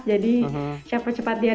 jadi siapa cepat dia dapat